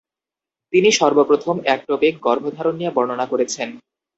তিনি সর্বপ্রথম এক্টোপিক গর্ভধারণ নিয়ে বর্ণনা করেছেন।